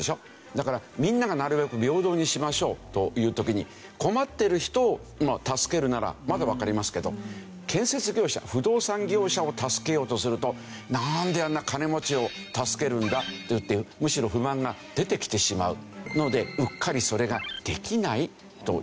だからみんながなるべく平等にしましょうという時に困ってる人を助けるならまだわかりますけど建設業者不動産業者を助けようとするとなんであんな金持ちを助けるんだっていってむしろ不満が出てきてしまうのでうっかりそれができないという事なんですね。